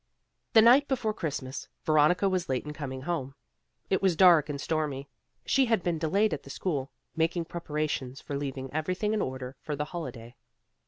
The night before Christmas, Veronica was late in coming home. It was dark and stormy. She had been delayed at the school, making preparations for leaving everything in order for the holiday.